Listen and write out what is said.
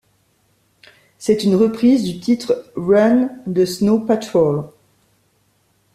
C'est une reprise du titre Run de Snow Patrol.